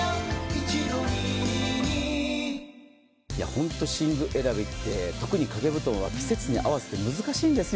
本当、寝具選びって特に掛け布団は季節に合わせて難しいですよ。